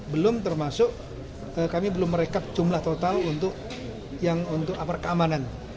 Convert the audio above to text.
belum termasuk kami belum merekap jumlah total untuk keamanan